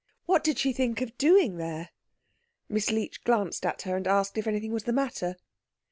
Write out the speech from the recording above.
What did she think of doing there? Miss Leech glanced at her, and asked if anything was the matter.